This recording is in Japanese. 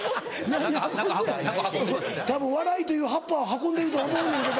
たぶん笑いという葉っぱを運んでると思うねんけど。